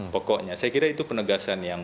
pokoknya saya kira itu penegasan yang